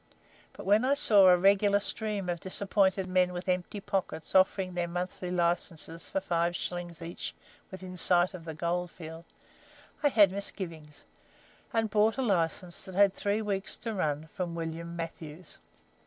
But when I saw a regular stream of disappointed men with empty pockets offering their monthly licenses for five shillings each within sight of the goldfield, I had misgivings, and I bought a license that had three weeks to run from William Matthews.